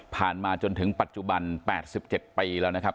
ผ่านมาจนถึงปัจจุบันแปดสิบเจ็ดปีแล้วนะครับ